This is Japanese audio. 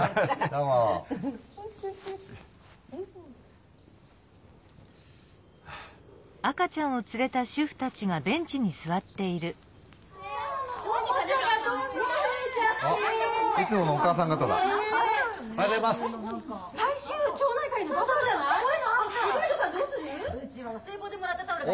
うちはおせいぼでもらったタオルが。